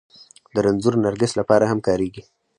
د رنځور نرګس لپاره هم کارېږي